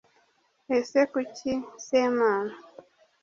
Ese kuki Semana